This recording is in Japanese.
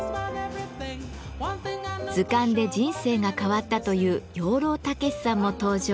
図鑑で人生が変わったという養老孟司さんも登場。